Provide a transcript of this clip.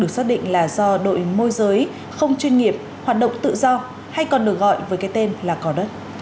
xác định là do đội môi giới không chuyên nghiệp hoạt động tự do hay còn được gọi với cái tên là cỏ đất